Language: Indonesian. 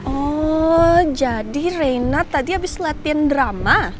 oh jadi reina tadi habis latihan drama